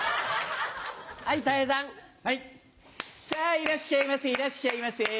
さぁいらっしゃいませいらっしゃいませ。